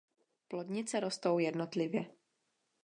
Plodnice rostou jednotlivě.